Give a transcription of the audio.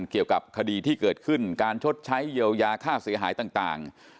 เกี่ยวกับคดีที่เกิดขึ้นการชดใช้เยียวยาค่าเสียหายต่าง